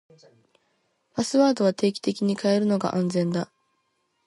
パスワードは定期的に変えるのが安全だ。